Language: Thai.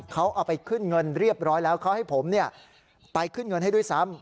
เขาเอาไปขึ้นเงินเรียบร้อยแล้วเขาให้ผมไปขึ้นเงินให้ด้วยซ้ำ